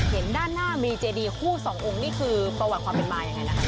เห็นด้านหน้ามีเจดีคู่สององค์นี่คือประวัติความเป็นมายังไงนะคะ